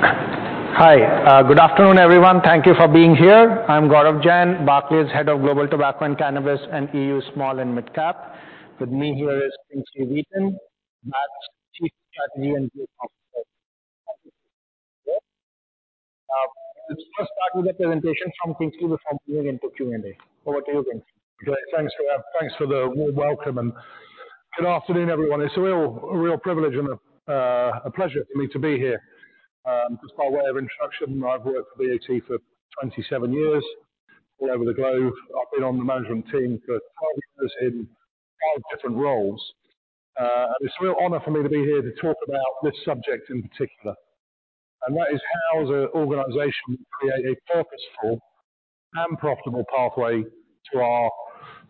Hi, good afternoon, everyone. Thank you for being here. I'm Gaurav Jain, Barclays Head of Global Tobacco and Cannabis and EU Small & Mid Cap. With me here is Kingsley Wheaton, BAT's Chief Strategy and Growth Officer. Let's first start with the presentation from Kingsley with opportunity in Q&A. Over to you, Kingsley. Great. Thanks for the warm welcome, and good afternoon, everyone. It's a real, a real privilege and a pleasure for me to be here. Just by way of introduction, I've worked for BAT for 27 years all over the globe. I've been on the management team for 12 years in five different roles. And it's a real honor for me to be here to talk about this subject in particular, and that is how does an organization create a purposeful and profitable pathway to our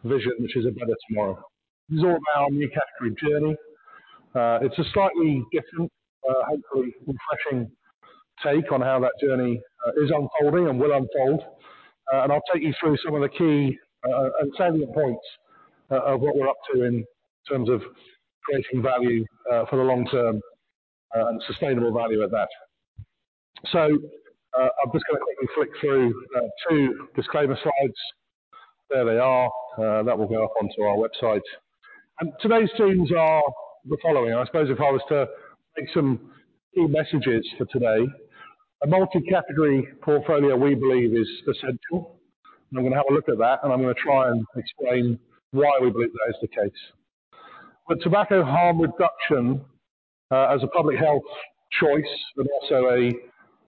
vision, which is A Better Tomorrow? This is all about our New Category journey. It's a slightly different, hopefully refreshing take on how that journey is unfolding and will unfold. And I'll take you through some of the key and salient points of what we're up to in terms of creating value for the long term and sustainable value at that. So, I'm just gonna quickly flick through two disclaimer slides. There they are. That will go up onto our website. And today's themes are the following. I suppose if I was to make some key messages for today, a multi-category portfolio, we believe, is essential, and I'm gonna have a look at that, and I'm gonna try and explain why we believe that is the case. But tobacco harm reduction, as a public health choice but also a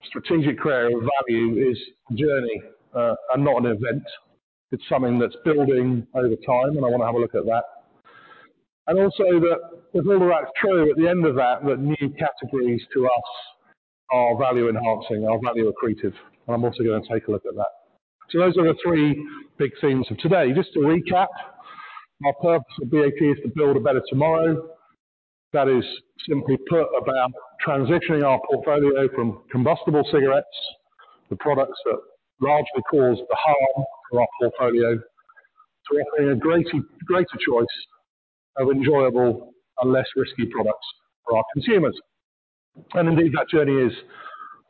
strategic area of value, is a journey and not an event. It's something that's building over time, and I wanna have a look at that. Also that there's all the right trail at the end of that, that new categories to us are value-enhancing, are value accretive, and I'm also gonna take a look at that. So those are the three big themes for today. Just to recap, our purpose at BAT is to build a better tomorrow. That is simply put about transitioning our portfolio from combustible cigarettes, the products that largely cause the harm to our portfolio, to offering a greater, greater choice of enjoyable and less risky products for our consumers. And indeed, that journey is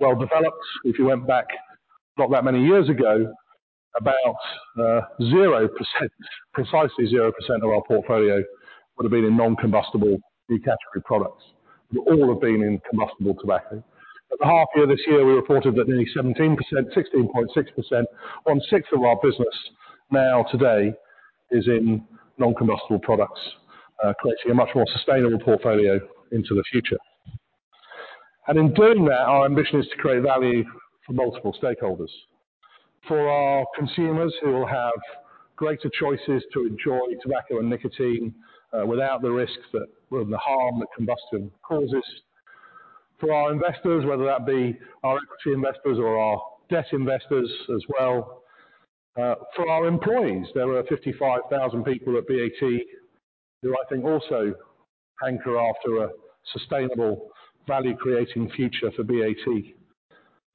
well developed. If you went back not that many years ago, about, 0%, precisely 0% of our portfolio would have been in non-combustible new category products. They all have been in combustible tobacco. At the half year, this year, we reported that nearly 17%, 16.6%, one-sixth of our business now today is in non-combustible products, creating a much more sustainable portfolio into the future. And in doing that, our ambition is to create value for multiple stakeholders. For our consumers, who will have greater choices to enjoy tobacco and nicotine, without the risks that, or the harm that combustion causes. For our investors, whether that be our equity investors or our debt investors as well. For our employees, there are 55,000 people at BAT who I think also anchor after a sustainable value-creating future for BAT.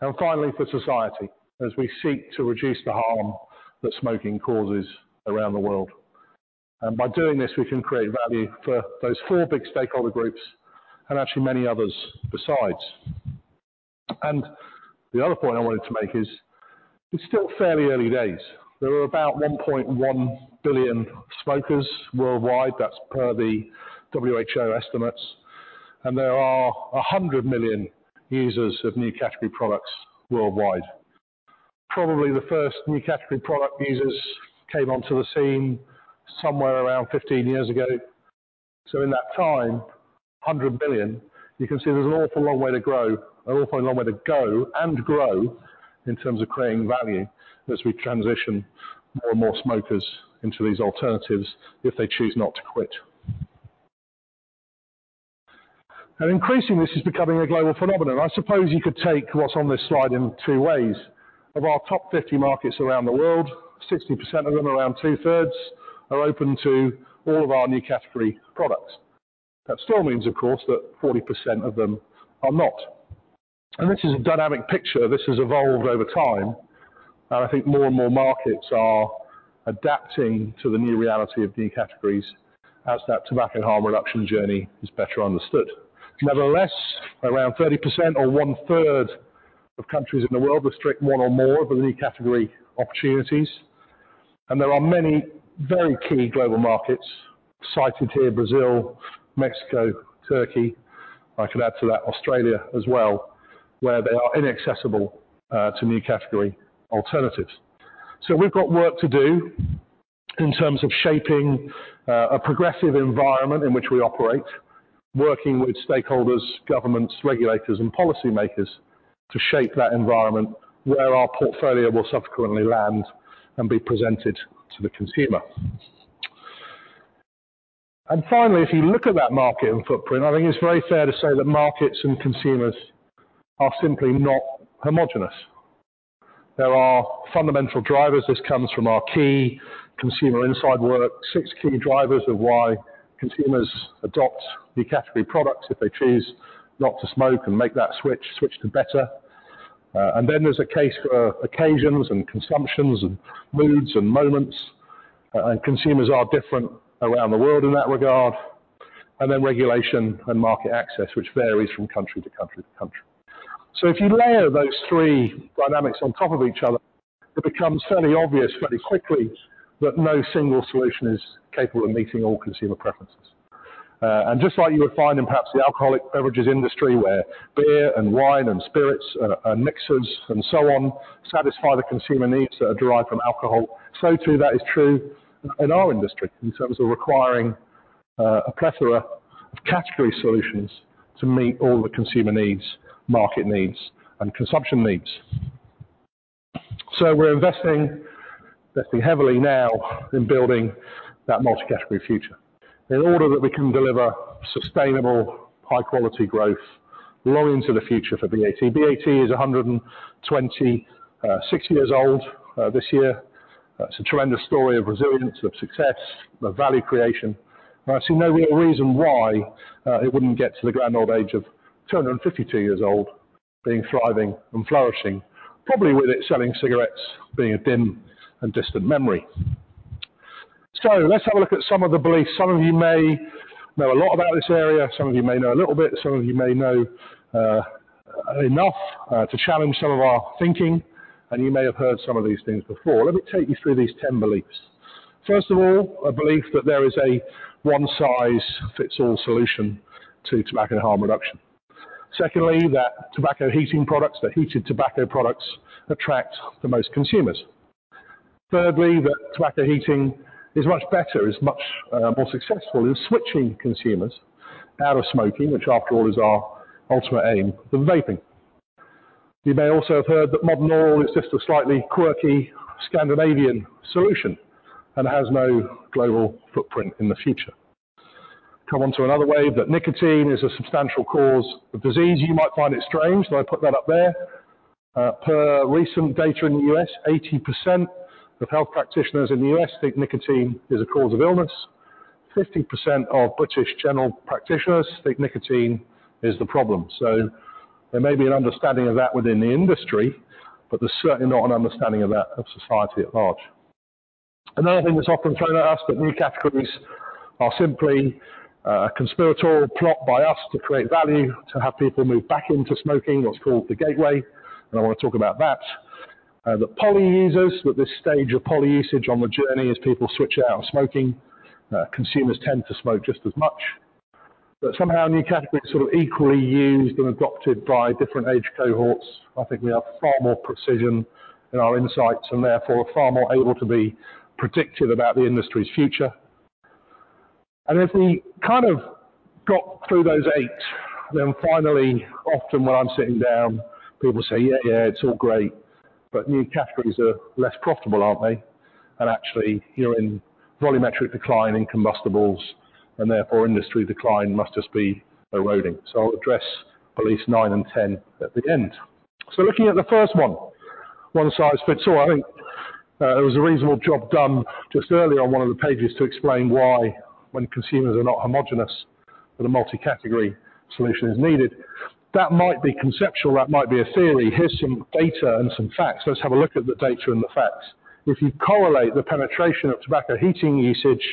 And finally, for society, as we seek to reduce the harm that smoking causes around the world. And by doing this, we can create value for those four big stakeholder groups and actually many others besides. And the other point I wanted to make is, it's still fairly early days. There are about 1.1 billion smokers worldwide. That's per the WHO estimates, and there are 100 million users of new category products worldwide. Probably the first new category product users came onto the scene somewhere around 15 years ago. So in that time, 100 million, you can see there's an awful long way to grow, an awful long way to go and grow in terms of creating value as we transition more and more smokers into these alternatives if they choose not to quit. And increasingly, this is becoming a global phenomenon. I suppose you could take what's on this slide in two ways. Of our top 50 markets around the world, 60% of them, around two-thirds, are open to all of our new category products. That still means, of course, that 40% of them are not. This is a dynamic picture. This has evolved over time, and I think more and more markets are adapting to the new reality of new categories as that tobacco harm reduction journey is better understood. Nevertheless, around 30% or one-third of countries in the world restrict one or more of the new category opportunities, and there are many very key global markets cited here, Brazil, Mexico, Turkey. I could add to that, Australia as well, where they are inaccessible to new category alternatives. So we've got work to do in terms of shaping a progressive environment in which we operate, working with stakeholders, governments, regulators, and policymakers to shape that environment where our portfolio will subsequently land and be presented to the consumer. And finally, if you look at that market and footprint, I think it's very fair to say that markets and consumers are simply not homogeneous. There are fundamental drivers. This comes from our key consumer insight work. Six key drivers of why consumers adopt new category products if they choose not to smoke and make that switch, switch to better. And then there's a case for occasions and consumptions and moods and moments, and consumers are different around the world in that regard. And then regulation and market access, which varies from country to country to country. So if you layer those three dynamics on top of each other, it becomes fairly obvious fairly quickly that no single solution is capable of meeting all consumer preferences. And just like you would find in perhaps the alcoholic beverages industry, where beer and wine and spirits, and mixers and so on, satisfy the consumer needs that are derived from alcohol, so too, that is true in our industry in terms of requiring, a plethora of category solutions to meet all the consumer needs, market needs, and consumption needs. So we're investing, investing heavily now in building that multi-category future in order that we can deliver sustainable, high-quality growth well into the future for BAT. BAT is 126 years old, this year. It's a tremendous story of resilience, of success, of value creation, and I see no real reason why it wouldn't get to the grand old age of 252 years old, being thriving and flourishing, probably with it selling cigarettes being a dim and distant memory. So let's have a look at some of the beliefs. Some of you may know a lot about this area, some of you may know a little bit, some of you may know enough to challenge some of our thinking, and you may have heard some of these things before. Let me take you through these 10 beliefs. First of all, a belief that there is a one-size-fits-all solution to tobacco harm reduction. Secondly, that tobacco heating products, the heated tobacco products, attract the most consumers. Thirdly, that tobacco heating is much better, is much, more successful in switching consumers out of smoking, which, after all, is our ultimate aim than vaping. You may also have heard that modern oral is just a slightly quirky Scandinavian solution and has no global footprint in the future. Come on to another way, that nicotine is a substantial cause of disease. You might find it strange, that I put that up there. Per recent data in the U.S., 80% of health practitioners in the U.S. think nicotine is a cause of illness. 50% of British general practitioners think nicotine is the problem. So there may be an understanding of that within the industry, but there's certainly not an understanding of that of society at large. Another thing that's often thrown at us, that new categories are simply a conspiratorial plot by us to create value, to have people move back into smoking, what's called the gateway. And I wanna talk about that. The poly users, with this stage of poly usage on the journey as people switch out smoking, consumers tend to smoke just as much. That somehow, new categories are equally used and adopted by different age cohorts. I think we have far more precision in our insights and therefore are far more able to be predictive about the industry's future. And if we kind of got through those eight, then finally, often when I'm sitting down, people say, "Yeah, yeah, it's all great, but new categories are less profitable, aren't they? And actually, you're in volumetric decline in combustibles, and therefore, industry decline must just be eroding." I'll address beliefs 9 and 10 at the end. Looking at the first one, one size fits all. I think, there was a reasonable job done just earlier on one of the pages to explain why when consumers are not homogeneous, that a multi-category solution is needed. That might be conceptual, that might be a theory. Here's some data and some facts. Let's have a look at the data and the facts. If you correlate the penetration of tobacco heating usage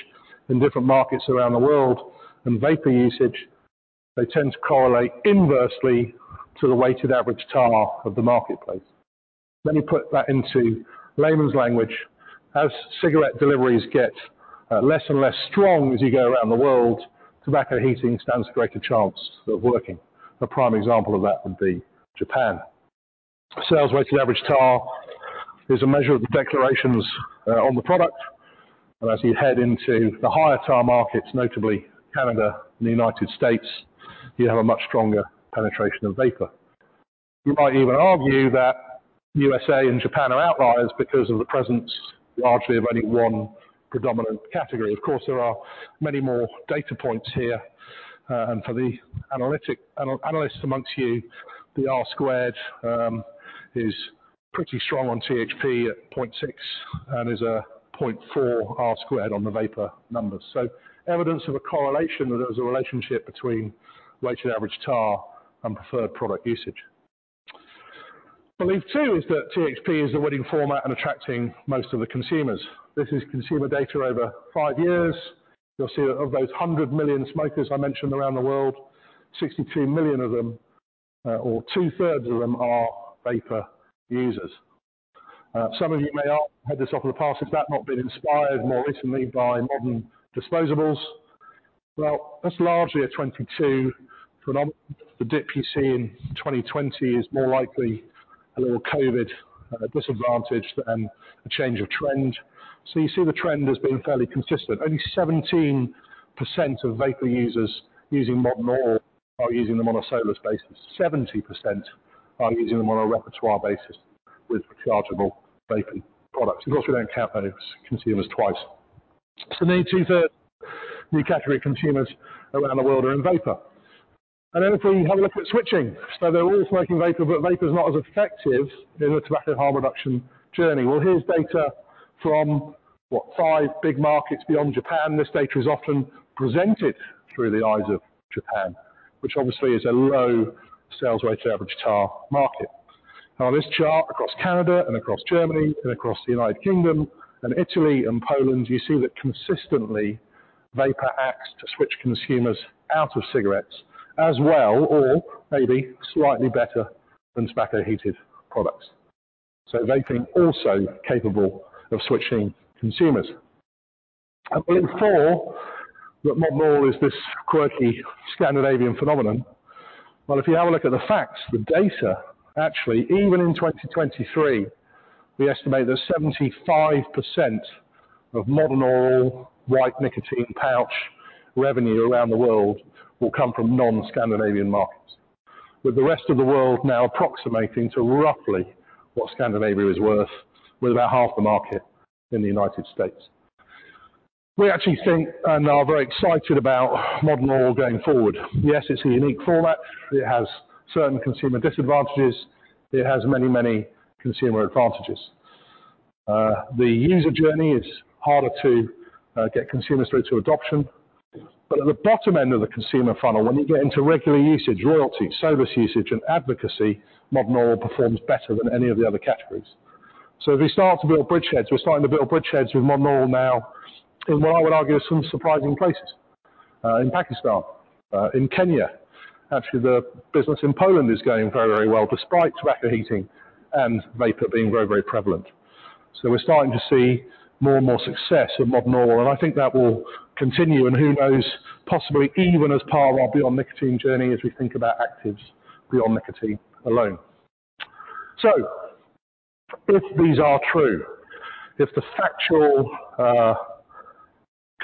in different markets around the world and vapor usage, they tend to correlate inversely to the weighted average tar of the marketplace. Let me put that into layman's language. As cigarette deliveries get less and less strong as you go around the world, tobacco heating stands a greater chance of working. A prime example of that would be Japan. Sales-weighted average tar is a measure of the declarations on the product, and as you head into the higher tar markets, notably Canada and the United States, you have a much stronger penetration of vapor. You might even argue that USA and Japan are outliers because of the presence, largely of only one predominant category. Of course, there are many more data points here, and for the analyst amongst you, the R squared is pretty strong on THP at 0.6 and is 0.4 R squared on the vapor numbers. So evidence of a correlation that there's a relationship between weighted average tar and preferred product usage. Belief two is that THP is the winning format in attracting most of the consumers. This is consumer data over 5 years. You'll see that of those 100 million smokers I mentioned around the world, 62 million of them, or two-thirds of them are vapor users. Some of you may argue, heard this often in the past, has that not been inspired more recently by modern disposables? Well, that's largely a 2022 phenomenon. The dip you see in 2020 is more likely a little COVID disadvantage than a change of trend. So you see the trend has been fairly consistent. Only 17% of vapor users using modern oral are using them on a solo basis. 70% are using them on a repertoire basis with rechargeable vaping products. Of course, we don't count those consumers twice. So nearly two-thirds of new category consumers around the world are in vapor. And then if we have a look at switching, so they're all smoking vapor, but vapor is not as effective in the tobacco harm reduction journey. Well, here's data from 5 big markets beyond Japan. This data is often presented through the eyes of Japan, which obviously is a low sales-weighted average tar market. Now, this chart across Canada, and across Germany, and across the United Kingdom, and Italy, and Poland, you see that consistently, vapor acts to switch consumers out of cigarettes as well, or maybe slightly better than tobacco heating products. So vaping also capable of switching consumers. And in four, that modern oral is this quirky Scandinavian phenomenon. Well, if you have a look at the facts, the data, actually, even in 2023, we estimate that 75% of modern oral white nicotine pouch revenue around the world will come from non-Scandinavian markets, with the rest of the world now approximating to roughly what Scandinavia is worth, with about half the market in the United States. We actually think and are very excited about modern oral going forward. Yes, it's a unique format. It has certain consumer disadvantages. It has many, many consumer advantages. The user journey is harder to get consumers through to adoption, but at the bottom end of the consumer funnel, when you get into regular usage, loyalty, service usage, and advocacy, modern oral performs better than any of the other categories. So if we start to build bridgeheads, we're starting to build bridgeheads with Modern Oral now, in what I would argue is some surprising places. In Pakistan, in Kenya. Actually, the business in Poland is going very, very well despite tobacco heating and vapor being very, very prevalent. So we're starting to see more and more success in Modern Oral, and I think that will continue, and who knows, possibly even as part of our beyond nicotine journey, as we think about actives beyond nicotine alone. So if these are true, if the factual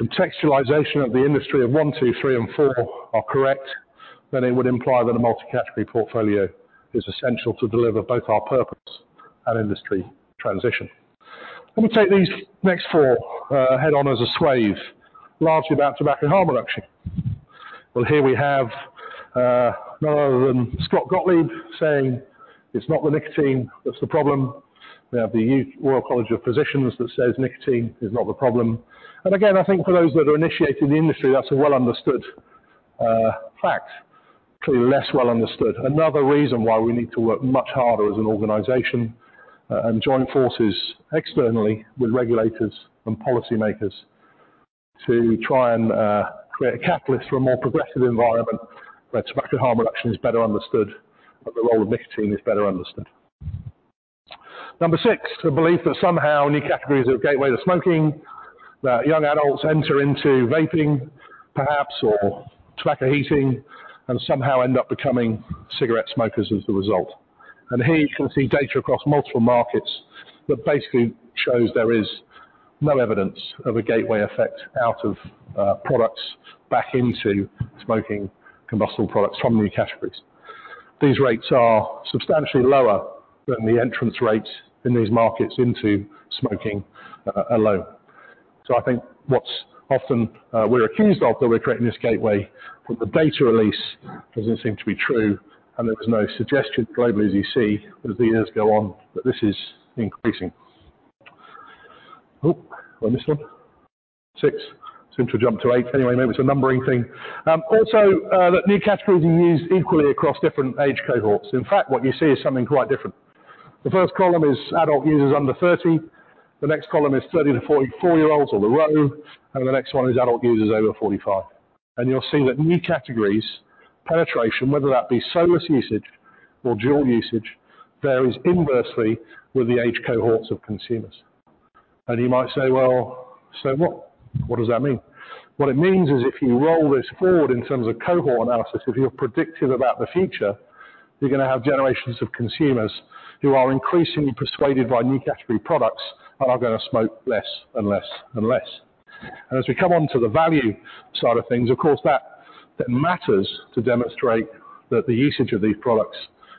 contextualization of the industry of one, two, three, and four are correct, then it would imply that a multi-category portfolio is essential to deliver both our purpose and industry transition. Let me take these next four head-on as a swathe, largely about tobacco harm reduction. Well, here we have none other than Scott Gottlieb saying, "It's not the nicotine that's the problem." We have the Royal College of Physicians that says, "Nicotine is not the problem." And again, I think for those that are initiated in the industry, that's a well-understood fact too less well understood. Another reason why we need to work much harder as an organization and join forces externally with regulators and policymakers to try and create a catalyst for a more progressive environment where tobacco harm reduction is better understood and the role of nicotine is better understood. Number six, the belief that somehow new categories are a gateway to smoking, that young adults enter into vaping, perhaps, or tobacco heating and somehow end up becoming cigarette smokers as a result. And here you can see data across multiple markets that basically shows there is no evidence of a gateway effect out of products back into smoking combustible products from new categories. These rates are substantially lower than the entrance rates in these markets into smoking alone. So I think what's often we're accused of, that we're creating this gateway, but the data release doesn't seem to be true, and there was no suggestion globally, as you see, as the years go on, that this is increasing. Oh, well, I missed one. 6 seems to have jumped to 8. Anyway, maybe it's a numbering thing. Also, that new categories are used equally across different age cohorts. In fact, what you see is something quite different. The first column is adult users under 30. The next column is 30-44-year-olds or the row, and the next one is adult users over 45. And you'll see that new categories penetration, whether that be smokeless usage or dual usage, varies inversely with the age cohorts of consumers. And you might say, "Well, so what? What does that mean?" What it means is if you roll this forward in terms of cohort analysis, if you're predictive about the future, you're gonna have generations of consumers who are increasingly persuaded by new category products and are gonna smoke less and less and less. And as we come on to the value side of things, of course, that, that matters to demonstrate that the usage of these products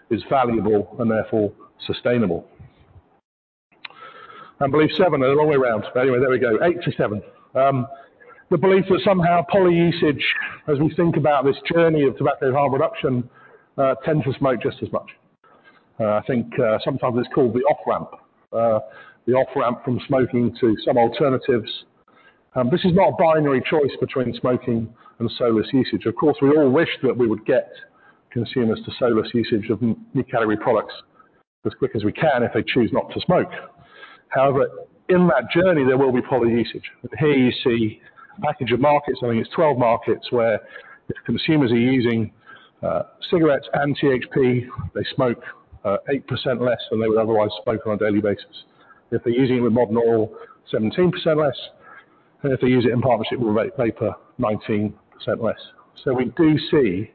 is valuable and therefore sustainable. And slide seven are the wrong way around. But anyway, there we go, 8 to 7. The belief that somehow poly usage, as we think about this journey of tobacco harm reduction, tend to smoke just as much. I think, sometimes it's called the off-ramp. The off-ramp from smoking to some alternatives. This is not a binary choice between smoking and smokeless usage. Of course, we all wish that we would get consumers to smokeless usage of new category products as quick as we can, if they choose not to smoke. However, in that journey, there will be poly usage. But here you see a package of markets, I think it's 12 markets, where if consumers are using cigarettes and THP, they smoke 8% less than they would otherwise smoke on a daily basis. If they're using with modern oral, 17% less, and if they use it in partnership with vape, 19% less. So we do see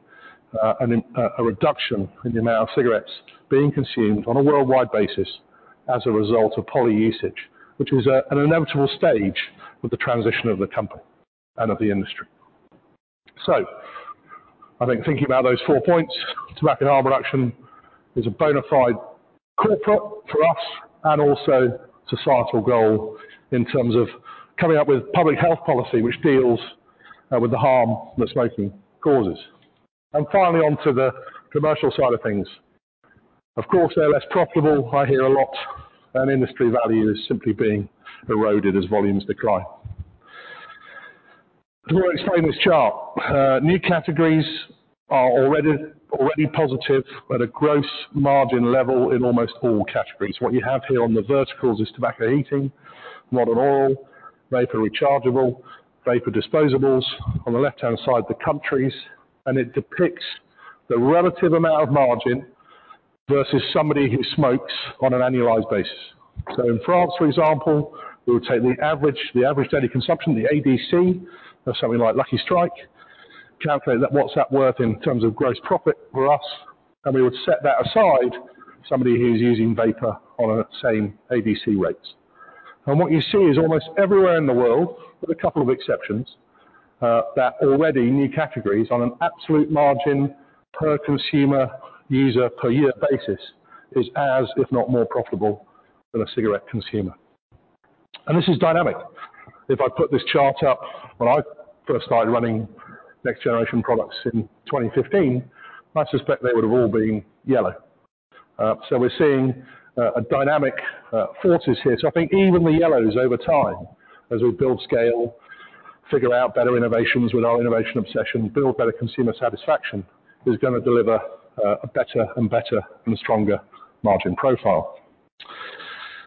a reduction in the amount of cigarettes being consumed on a worldwide basis as a result of poly usage, which is an inevitable stage of the transition of the company and of the industry. So I think thinking about those four points, tobacco harm reduction is a bona fide corporate for us and also societal goal in terms of coming up with public health policy, which deals with the harm that smoking causes. And finally, on to the commercial side of things. Of course, they're less profitable. I hear a lot, and industry value is simply being eroded as volumes decline. To explain this chart, new categories are already positive at a gross margin level in almost all categories. What you have here on the verticals is tobacco heating, modern oral, vapor rechargeable, vapor disposables. On the left-hand side, the countries, and it depicts the relative amount of margin versus somebody who smokes on an annualized basis. So in France, for example, we would take the average, the average daily consumption, the ADC, of something like Lucky Strike, calculate that, what's that worth in terms of gross profit for us, and we would set that aside, somebody who's using vapor on a same ADC rates. And what you see is almost everywhere in the world, with a couple of exceptions, that already new categories on an absolute margin per consumer user per year basis is as, if not more profitable than a cigarette consumer. And this is dynamic. If I put this chart up when I first started running next generation products in 2015, I suspect they would have all been yellow. So we're seeing a dynamic forces here. So I think even the yellows over time, as we build scale, figure out better innovations with our innovation obsession, build better consumer satisfaction, is gonna deliver a better and better and stronger margin profile.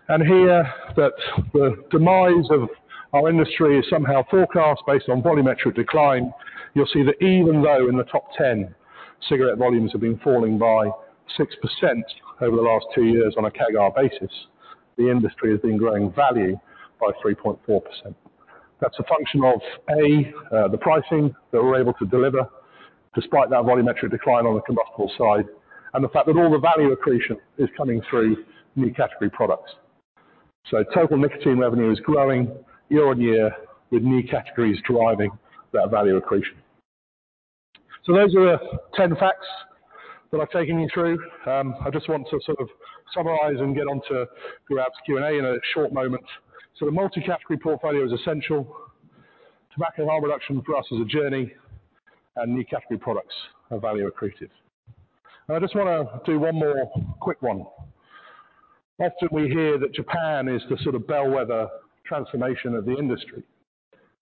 And here that the demise of our industry is somehow forecast based on volumetric decline. You'll see that even though in the top 10, cigarette volumes have been falling by 6% over the last two years on a CAGR basis, the industry has been growing value by 3.4%. That's a function of, A, the pricing that we're able to deliver despite that volumetric decline on the combustible side, and the fact that all the value accretion is coming through new category products. So total nicotine revenue is growing year-on-year, with new categories driving that value accretion. So those are the 10 facts that I've taken you through. I just want to sort of summarize and get on to perhaps Q&A in a short moment. So the multi-category portfolio is essential. Tobacco harm reduction for us is a journey, and new category products are value accretive. I just wanna do one more quick one. Often we hear that Japan is the sort of bellwether transformation of the industry.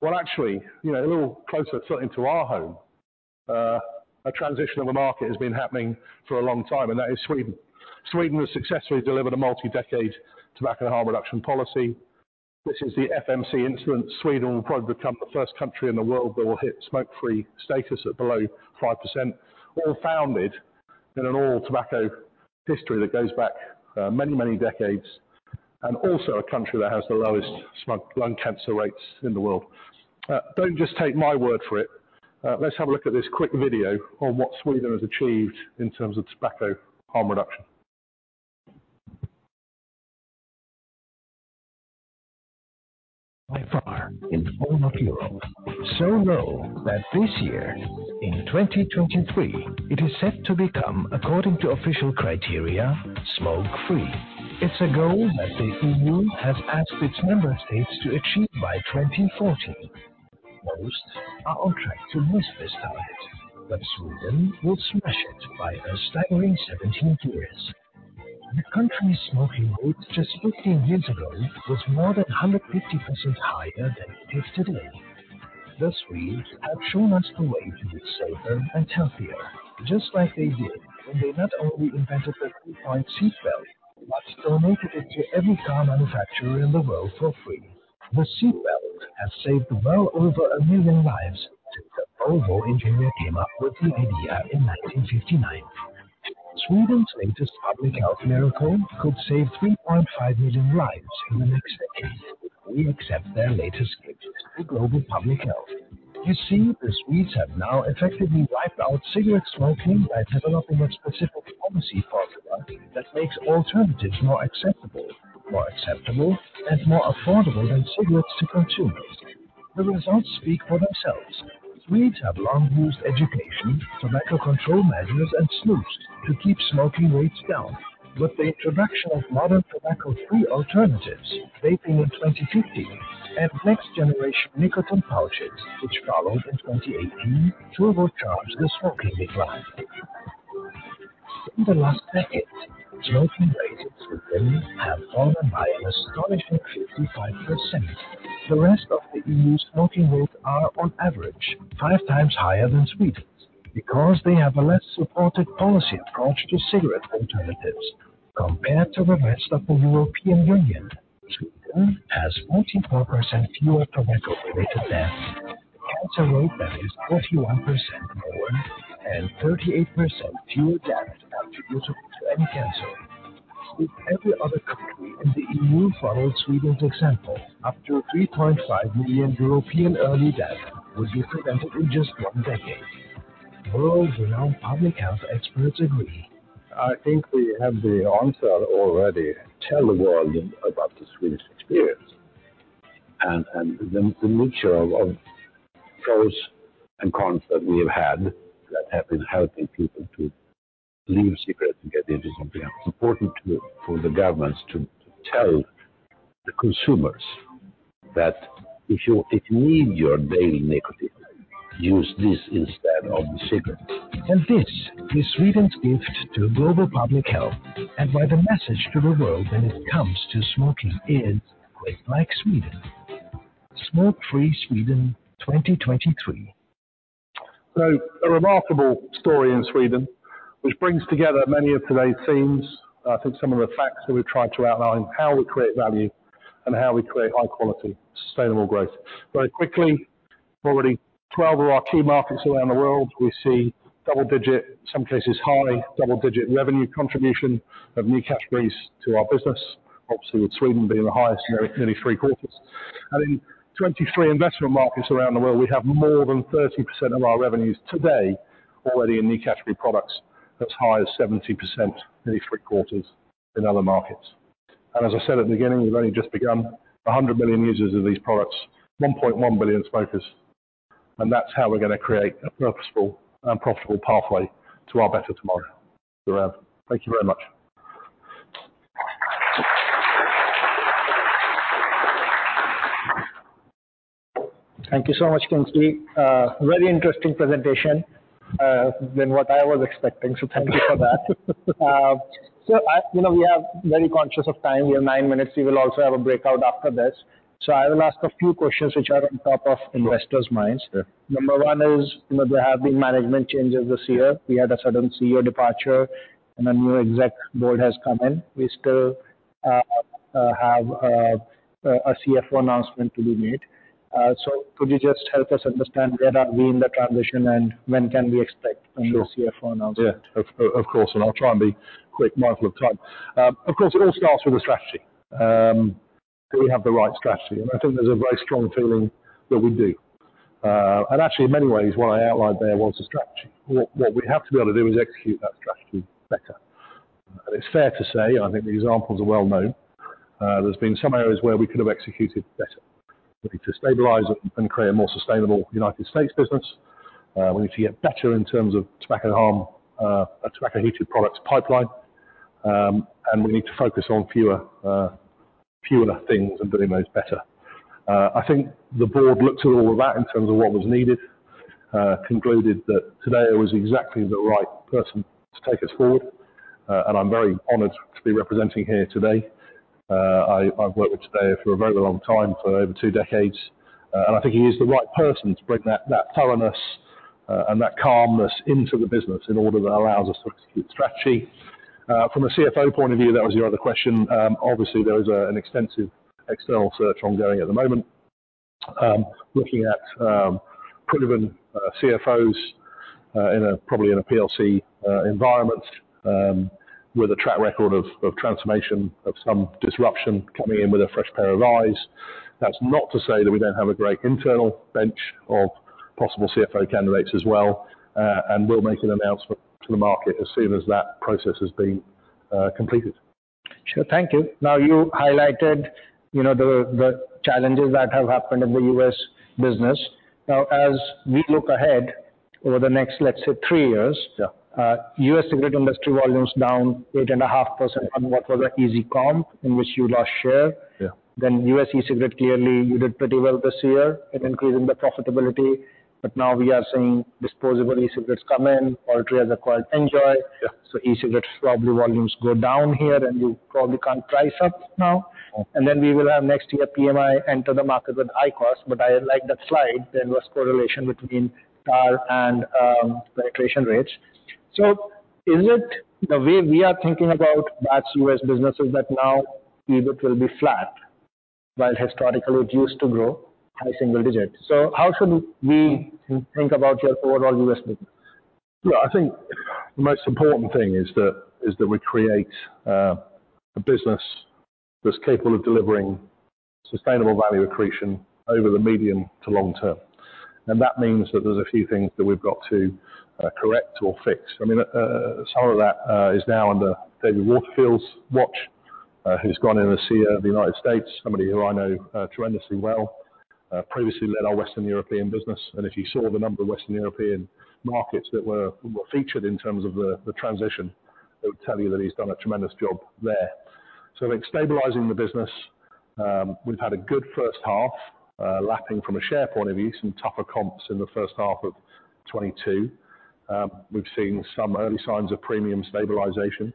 Well, actually, you know, a little closer to our home, a transition of the market has been happening for a long time, and that is Sweden. Sweden has successfully delivered a multi-decade tobacco harm reduction policy, which is the FCTC instrument. Sweden will probably become the first country in the world that will hit smoke-free status at below 5%, all founded in a long tobacco history that goes back, many, many decades, and also a country that has the lowest lung cancer rates in the world. Don't just take my word for it. Let's have a look at this quick video on what Sweden has achieved in terms of tobacco harm reduction. By far in all of Europe. So low that this year, in 2023, it is set to become, according to official criteria, smoke-free. It's a goal that the EU has asked its member states to achieve by 2040. Most are on track to miss this target, but Sweden will smash it by a staggering 17 years. The country's smoking rate just 15 years ago was more than 150% higher than it is today. The Swedes have shown us the way to be safer and healthier, just like they did when they not only invented the three-point seat belt, but donated it to every car manufacturer in the world for free. The seat belt has saved well over 1 million lives since the Volvo engineer came up with the idea in 1959. Sweden's latest public health miracle could save 3.5 million lives in the next decade. We accept their latest gift to global public health. You see, the Swedes have now effectively wiped out cigarette smoking by developing a specific policy formula that makes alternatives more acceptable, more acceptable, and more affordable than cigarettes to consumers. The results speak for themselves. Swedes have long used education, tobacco control measures, and snus to keep smoking rates down. With the introduction of modern tobacco-free alternatives, vaping in 2015 and next-generation nicotine pouches, which followed in 2018, turbocharge the smoking decline. In the last decade, smoking rates in Sweden have fallen by an astonishing 55%. The rest of the EU smoking rates are on average five times higher than Sweden's, because they have a less supported policy approach to cigarette alternatives. Compared to the rest of the European Union, Sweden has 44% fewer tobacco-related deaths. Cancer rate that is 41% more and 38% fewer deaths attributable to any cancer. If every other country in the EU followed Sweden's example, up to 3.5 million European early death would be prevented in just one decade. World-renowned public health experts agree. I think we have the answer already. Tell the world about the Swedish experience and the mixture of pros and cons that we have had that have been helping people to leave cigarettes and get into something important to for the governments to tell-... the consumers, that if you, if you need your daily nicotine, use this instead of the cigarette. This is Sweden's gift to global public health, and why the message to the world when it comes to smoking is: Quit like Sweden. Smoke-free Sweden 2023. So a remarkable story in Sweden, which brings together many of today's themes. I think some of the facts that we've tried to outline, how we create value and how we create high-quality, sustainable growth. Very quickly, already 12 of our key markets around the world, we see double-digit, some cases, high double-digit revenue contribution of new categories to our business. Obviously, with Sweden being the highest, nearly three-quarters. And in 23 investment markets around the world, we have more than 30% of our revenues today, already in new category products, as high as 70%, nearly three-quarters in other markets. And as I said at the beginning, we've only just begun. 100 million users of these products, 1.1 billion smokers, and that's how we're going to create a purposeful and profitable pathway to our better tomorrow. Thank you very much. Thank you so much, Kingsley. Very interesting presentation than what I was expecting, so thank you for that. So, you know, we have very conscious of time. We have 9 minutes. We will also have a breakout after this. So I will ask a few questions which are on top of investors' minds. Sure. Number one is, you know, there have been management changes this year. We had a sudden CEO departure, and a new exec board has come in. We still have a CFO announcement to be made. So could you just help us understand where are we in the transition, and when can we expect- Sure. a new CFO announcement? Yeah, of course, and I'll try and be quick, mindful of time. Of course, it all starts with a strategy. Do we have the right strategy? And I think there's a very strong feeling that we do. And actually, in many ways, what I outlined there was a strategy. What we have to be able to do is execute that strategy better. And it's fair to say, I think the examples are well known, there's been some areas where we could have executed better. We need to stabilize it and create a more sustainable United States business. We need to get better in terms of tobacco harm, a tobacco heated products pipeline, and we need to focus on fewer things and doing those better. I think the board looked at all of that in terms of what was needed, concluded that Tadeu was exactly the right person to take us forward, and I'm very honored to be representing here today. I, I've worked with Tadeu for a very long time, for over two decades, and I think he is the right person to bring that, that thoroughness, and that calmness into the business in order that allows us to execute strategy. From a CFO point of view, that was your other question, obviously, there is an extensive external search ongoing at the moment. Looking at proven CFOs in a probably in a PLC environment with a track record of transformation, of some disruption, coming in with a fresh pair of eyes. That's not to say that we don't have a great internal bench of possible CFO candidates as well, and we'll make an announcement to the market as soon as that process has been completed. Sure. Thank you. Now, you highlighted, you know, the challenges that have happened in the U.S. business. Now, as we look ahead over the next, let's say, three years- Yeah. U.S. cigarette industry volume is down 8.5% on what was an easy comp, in which you lost share. Yeah. Then, U.S. e-cigarette, clearly, you did pretty well this year in increasing the profitability, but now we are seeing disposable e-cigarettes come in. Altria has acquired NJOY. Yeah. So, e-cigarettes, probably volumes go down here, and you probably can't price up now. No. And then we will have next year, PMI enter the market with IQOS, but I like that slide. There was correlation between tar and penetration rates. So is it... The way we are thinking about that U.S. business is that now, EBIT will be flat, while historically it used to grow high single digits. So how should we think about your overall U.S. business? Yeah, I think the most important thing is that, is that we create a business that's capable of delivering sustainable value accretion over the medium to long term. And that means that there's a few things that we've got to correct or fix. I mean, some of that is now under David Waterfield's watch, who's gone in as CEO of the United States, somebody who I know tremendously well. Previously led our Western European business, and if you saw the number of Western European markets that were featured in terms of the transition, he would tell you that he's done a tremendous job there. So in stabilizing the business, we've had a good first half, lapping from a share point of view, some tougher comps in the first half of 2022. We've seen some early signs of premium stabilization.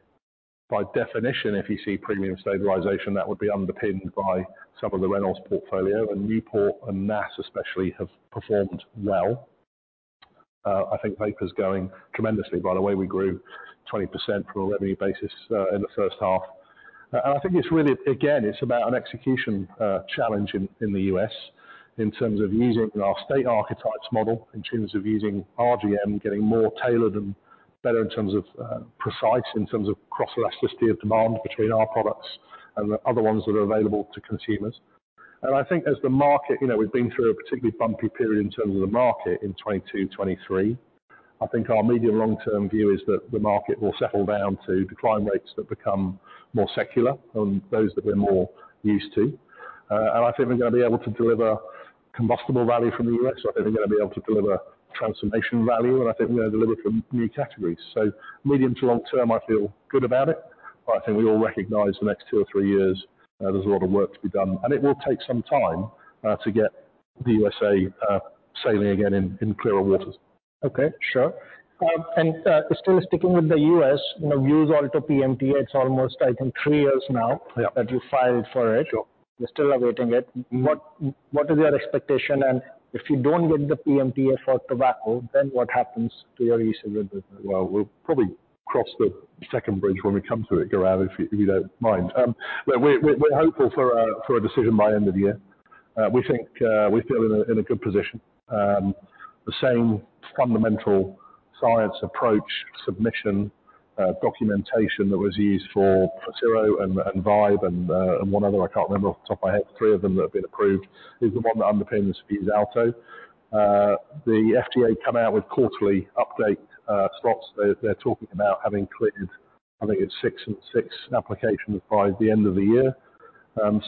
By definition, if you see premium stabilization, that would be underpinned by some of the Reynolds portfolio, and Newport and NAS especially have performed well. I think vape is going tremendously. By the way, we grew 20% for a revenue basis in the first half. And I think it's really... Again, it's about an execution challenge in the U.S., in terms of using our state archetypes model, in terms of using RGM, getting more tailored and better in terms of precise, in terms of cross elasticity of demand between our products and the other ones that are available to consumers. And I think as the market, you know, we've been through a particularly bumpy period in terms of the market in 2022, 2023. I think our medium long-term view is that the market will settle down to decline rates that become more secular than those that we're more used to. And I think we're gonna be able to deliver combustible value from the U.S. So I think we're going to be able to deliver transformation value, and I think we're going to deliver from new categories. So medium to long term, I feel good about it, but I think we all recognize the next two or three years, there's a lot of work to be done, and it will take some time to get the U.S.A. sailing again in clearer waters. Okay, sure. Still sticking with the US, you know, Vuse Alto PMTA, it's almost, I think, three years now- Yeah. that you filed for it. Sure. You're still awaiting it. What, what is your expectation? And if you don't get the PMTA for tobacco, then what happens to your e-cigarette business? Well, we'll probably cross the second bridge when we come to it, Gaurav, if you don't mind. We're hopeful for a decision by end of the year. We think we feel in a good position. The same fundamental science approach, submission, documentation that was used for Ciro and, and Vibe and, and one other, I can't remember off the top of my head, three of them that have been approved, is the one that underpins Vuse Alto. The FDA come out with quarterly update, slots. They're talking about having cleared, I think it's six and six applications by the end of the year.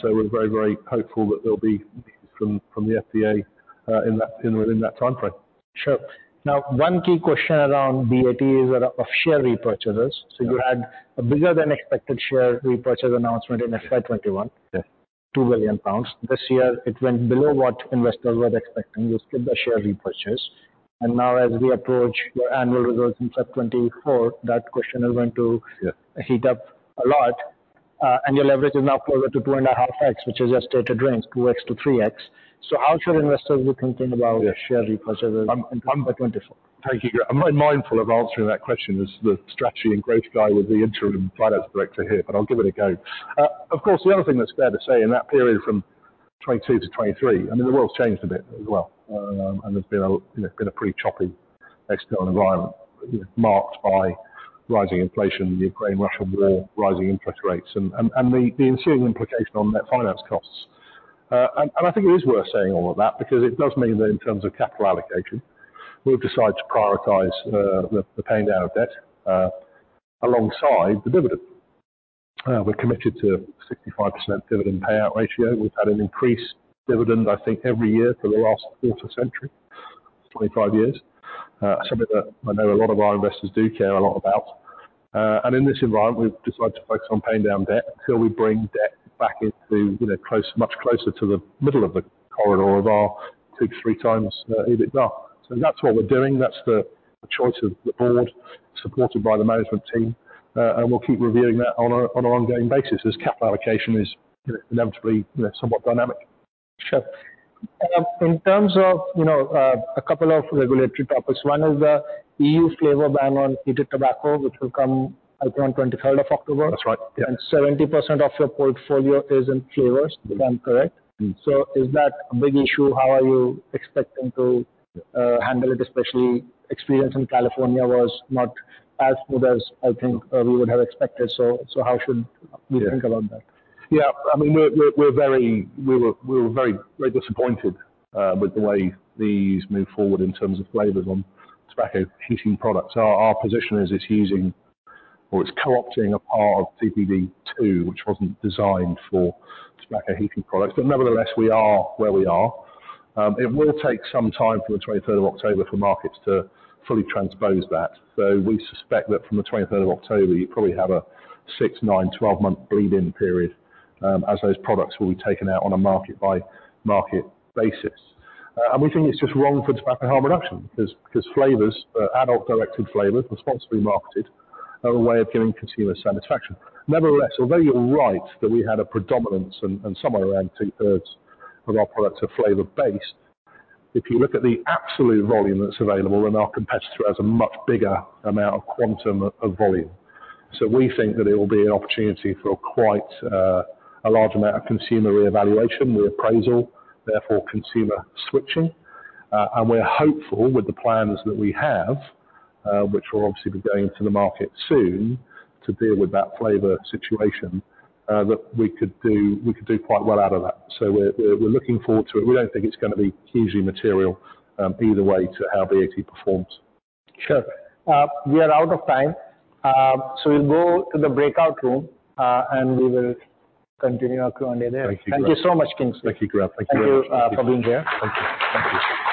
So we're very, very hopeful that there'll be from the FDA in that, you know, in that timeframe. Sure. Now, one key question around BAT is of share repurchases. Yeah. You had a bigger-than-expected share repurchase announcement in FY 2021. Yes. 2 billion pounds. This year, it went below what investors were expecting, you skipped the share repurchase. And now as we approach your annual results in FY 2024, that question is going to- Yeah heat up a lot. And your leverage is now closer to 2.5x, which is your stated range, 2x-3x. So how should investors be thinking about? Yes Share repurchases in FY 2024? Thank you. I'm very mindful of answering that question, as the strategy and growth guy with the interim finance director here, but I'll give it a go. Of course, the other thing that's fair to say in that period from 2022 to 2023, I mean, the world's changed a bit as well, and there's been a you know pretty choppy external environment, you know, marked by rising inflation, the Ukraine-Russia war, rising interest rates, and the ensuing implication on net finance costs. And I think it is worth saying all of that because it does mean that in terms of capital allocation, we've decided to prioritize the paying down of debt alongside the dividend. We're committed to a 65% dividend payout ratio. We've had an increased dividend, I think, every year for the last quarter century, 25 years. Something that I know a lot of our investors do care a lot about. And in this environment, we've decided to focus on paying down debt until we bring debt back into, you know, close... much closer to the middle of the corridor of our 2-3 times EBITDA. So that's what we're doing. That's the choice of the board, supported by the management team, and we'll keep reviewing that on a, on an ongoing basis, as capital allocation is, you know, inevitably, you know, somewhat dynamic. Sure. In terms of, you know, a couple of regulatory topics, one is the EU flavor ban on heated tobacco, which will come on twenty-third of October. That's right. Yeah. 70% of your portfolio is in flavors, if I'm correct. Mm-hmm. So is that a big issue? How are you expecting to handle it, especially experience in California was not as good as I think we would have expected, so how should we think about that? Yeah. I mean, we're very... We were very disappointed with the way these moved forward in terms of flavors on tobacco heating products. Our position is it's using, or it's co-opting a part of TPD2, which wasn't designed for tobacco heating products, but nevertheless, we are where we are. It will take some time from the twenty-third of October for markets to fully transpose that. So we suspect that from the twenty-third of October, you probably have a 6, 9, 12-month bleed-in period, as those products will be taken out on a market-by-market basis. And we think it's just wrong for tobacco harm reduction, because flavors, adult-directed flavors, responsibly marketed, are a way of giving consumer satisfaction. Nevertheless, although you're right that we had a predominance and somewhere around two-thirds of our products are flavor-based, if you look at the absolute volume that's available, then our competitor has a much bigger amount of quantum of volume. So we think that it will be an opportunity for quite a large amount of consumer reevaluation, reappraisal, therefore, consumer switching. And we're hopeful with the plans that we have, which will obviously be going into the market soon, to deal with that flavor situation, that we could do quite well out of that. So we're looking forward to it. We don't think it's gonna be hugely material, either way, to how BAT performs. Sure. We are out of time, so we'll go to the breakout room, and we will continue our Q&A there. Thank you, Gaurav. Thank you so much, Kingsley. Thank you, Gaurav. Thank you very much. Thank you, for being here. Thank you. Thank you.